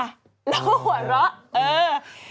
แล้วก็หัวเราะ